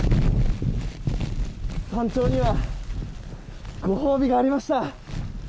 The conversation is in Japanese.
山頂にはご褒美がありました！